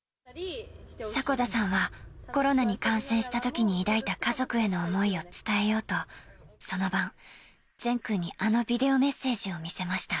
迫田さんは、コロナに感染したときに抱いた家族への思いを伝えようと、その晩、善君にあのビデオメッセージを見せました。